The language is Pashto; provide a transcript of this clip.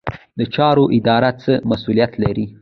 د چارو اداره څه مسوولیت لري؟